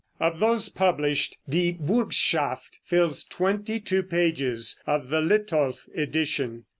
Of those published, "Die Burgschaft" fills twenty two pages of the Litolff edition.